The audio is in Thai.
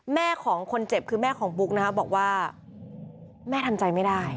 แม่ของคนเจ็บคือแม่ของบุ๊กนะคะบอกว่าแม่ทำใจไม่ได้